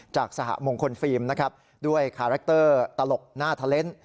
จากสหมงคลฟิล์มด้วยคาแรคเตอร์ตลกหน้าเทล็นท์